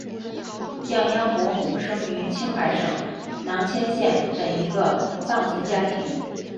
降央伯姆生于青海省囊谦县的一个藏族家庭。